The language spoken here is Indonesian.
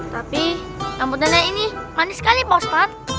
tapi rambutannya ini manis sekali pak ustadz